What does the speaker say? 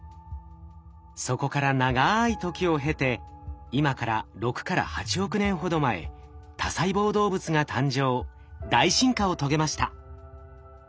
そこから長い時を経て今から６から８億年ほど前多細胞動物が誕生大進化を遂げました。